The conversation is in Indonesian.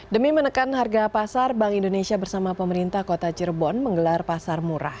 demi menekan harga pasar bank indonesia bersama pemerintah kota cirebon menggelar pasar murah